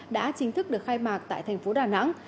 đã chính thức được khai mạc tại tp đà nẵng